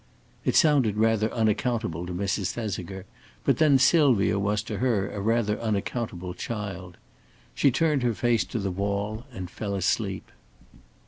It sounded rather unaccountable to Mrs. Thesiger, but then Sylvia was to her a rather unaccountable child. She turned her face to the wall and fell asleep.